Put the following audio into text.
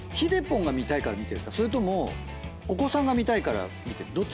それともお子さんが見たいから見てるどっちなんですか？